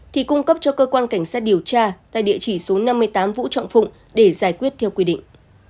thì cung cấp cho cơ quan cảnh sát điều tra tại địa chỉ số năm mươi tám vũ trọng phụng để giải quyết theo quy định